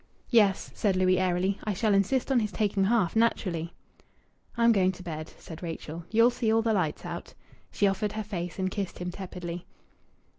"Yes," said Louis airily. "I shall insist on his taking half, naturally." "I'm going to bed," said Rachel. "You'll see all the lights out." She offered her face and kissed him tepidly.